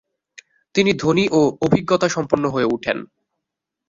তিনি ধনী ও অভিজ্ঞতাসম্পন্ন হয়ে উঠেন।